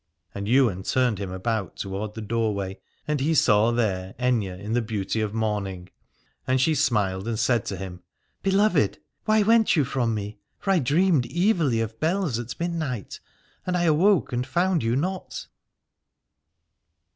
And Ywain turned him about toward the doorway, and he saw there Aithne in the beauty of morning: and she smiled and said to him : Beloved, why went you from me : for I dreamed evilly of bells at midnight, and I awoke and found you not.